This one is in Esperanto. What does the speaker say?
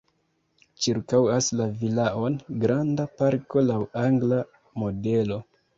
Ĉirkaŭas la vilaon granda parko laŭ angla modelo.